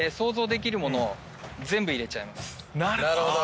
なるほど！